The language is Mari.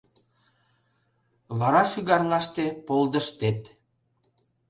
Вара шӱгарлаште полдыштет...